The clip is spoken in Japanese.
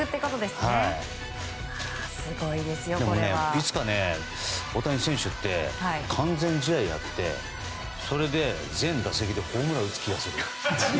いつか、大谷選手って完全試合をやってそれで、全打席でホームランを打つ気がする。